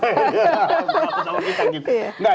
takut sama kita gitu